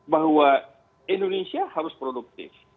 bahwa indonesia harus produktif